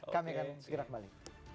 kami akan segera kembali